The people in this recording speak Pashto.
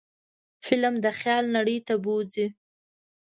فلم د خیال نړۍ ته بوځي